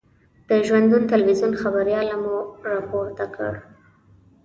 د ژوندون تلویزون خبریال مو را پورته کړ.